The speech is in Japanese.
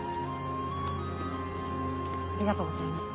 ありがとうございます。